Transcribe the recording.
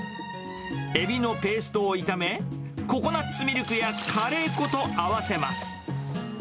エビのペーストを炒め、ココナッツミルクやカレー粉と合わせます。